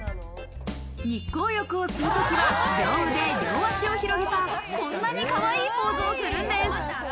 日光浴をする時は、両腕両足を広げた、こんなにかわいいポーズをするんです。